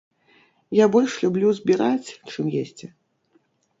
Я больш люблю збіраць, чым есці.